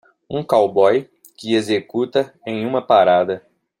Um cowboy que executa em uma parada.